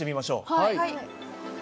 はい。